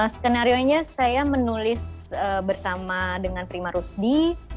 skenario nya saya menulis bersama dengan prima rusdi